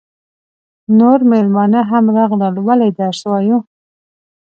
نور مېلمانه هم راغلل ولې درس وایو.